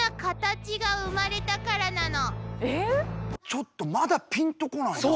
ちょっとまだピンとこないな。